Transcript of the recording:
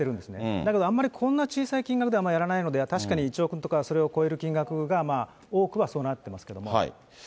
だけどあんまりこんな小さい金額ではあまりやらないので、１億円とかそういう金額が多くはそうなってますけれども。